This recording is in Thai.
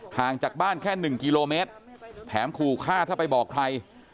ห่างจากบ้านแค่๑กิโลเมตรแถมขู่ฆ่าถ้าไปบอกใคร